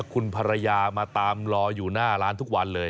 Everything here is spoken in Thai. คุณภรรยามาตามรออยู่หน้าร้านทุกวันเลย